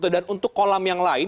dan untuk kolam yang lain